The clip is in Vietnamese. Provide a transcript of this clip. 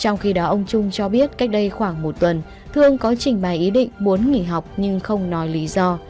trong khi đó ông trung cho biết cách đây khoảng một tuần thương có trình bày ý định muốn nghỉ học nhưng không nói lý do